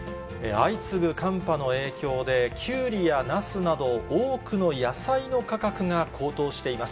相次ぐ寒波の影響で、きゅうりやなすなど、多くの野菜の価格が高騰しています。